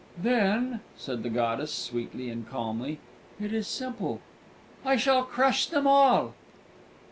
"Then," said the goddess, sweetly and calmly, "it is simple: I shall crush them all."